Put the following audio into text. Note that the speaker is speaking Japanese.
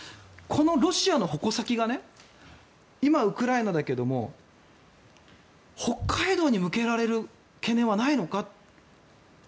このロシアの矛先が今、ウクライナだけども北海道に向けられる懸念はないのか。